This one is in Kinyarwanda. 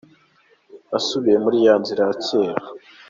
Nasubiye muri ya nzira ya cyera.